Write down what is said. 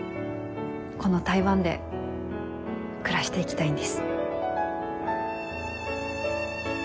この台湾で暮らしていきたいんです。